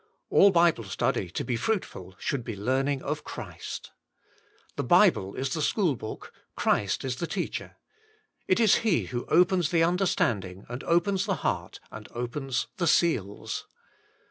All Bible study to be fruitful should be learning of Christ. The Bible is the school book, Christ is the Teacher. It is He who opens the understanding, and opens the heart, and opens the seals.